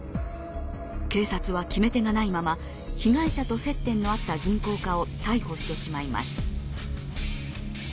警察は決め手がないまま被害者と接点のあった銀行家を逮捕してしまいます。